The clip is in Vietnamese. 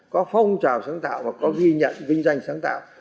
có phong trào sáng tạo và có ghi nhận vinh danh sáng tạo